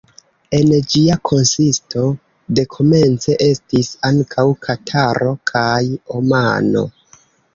En ĝia konsisto dekomence estis ankaŭ Kataro kaj Omano.